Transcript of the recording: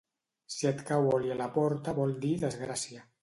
Si et cau oli a la porta vol dir desgràcia.